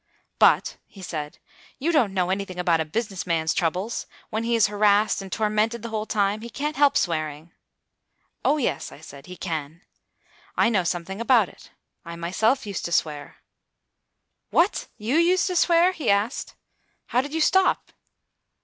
"But," he said, "you don't know anything about a business man's troubles. When he is harassed and tormented the whole time, he can't help swearing." "O, yes," I said, "he can. I know something about it. I myself used to swear." "What! you used to swear?" he asked. "How did you stop?"